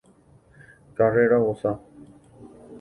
Karréra vosa